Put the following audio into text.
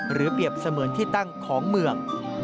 เปรียบเสมือนที่ตั้งของเมือง